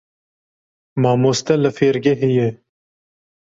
Mamoste li fêrgehê ye.